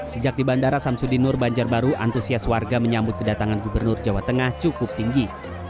sejak di bandara samsudinur banjarbaru antusias warga menyambut kedatangan gubernur jawa tengah cukup tinggi